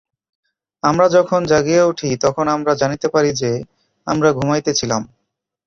আমরা যখন জাগিয়া উঠি, তখন আমরা জানিতে পারি যে, আমরা ঘুমাইতেছিলাম।